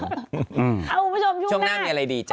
เอามาชมช่วงหน้าช่วงหน้ามีอะไรดีจ้ะ